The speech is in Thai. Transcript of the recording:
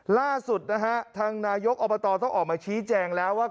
ล่าสุดนะฮะทางนายกอบตต้องออกมาชี้แจงแล้วว่า